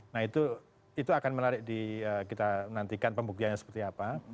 nah itu akan menarik kita nantikan pembuktiannya seperti apa